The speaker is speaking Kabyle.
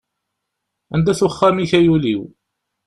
Anda-t uxxam-ik ay ul-iw.